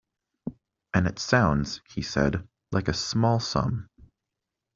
"And it sounds" he said, "like a small sum."